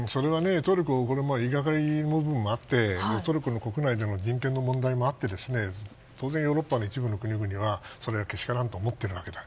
トルコ言いがかりの部分もあってトルコの国内でも人権の問題もあって当然ヨーロッパの一部の国々はそれはけしからんと思っているわけだ。